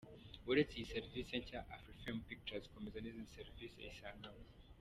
Uretse izi serivisi nshya, Afrifame Pictures ikomeje n’izindi serivisi isanganywe.